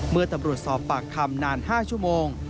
เมื่อตำรวจสอบปากคำนาน๕ชั่วโมง